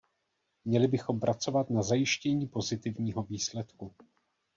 Měli bychom pracovat na zajištění pozitivního výsledku.